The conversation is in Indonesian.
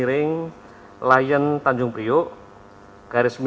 dan yang dikira sebagai penumpang yang berada di jumat